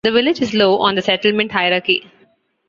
The village is low on the settlement hierarchy.